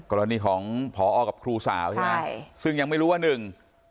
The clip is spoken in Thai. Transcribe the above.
กรณีของพอกับครูสาวใช่ไหมใช่ซึ่งยังไม่รู้ว่าหนึ่ง